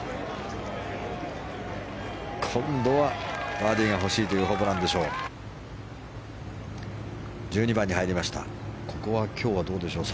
今度はバーディーが欲しいホブランでしょう。